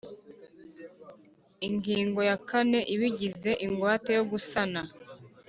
Ingingo ya kane Ibigize ingwate yo gusana